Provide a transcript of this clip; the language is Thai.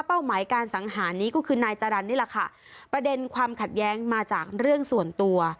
หมายการสังหารนี้ก็คือนายจรรย์นี่แหละค่ะประเด็นความขัดแย้งมาจากเรื่องส่วนตัว